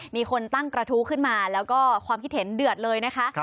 มีคนตั้งกระทู้ขึ้นมาแล้วก็ความคิดเห็นเดือดเลยนะคะ